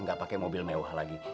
nggak pakai mobil mewah lagi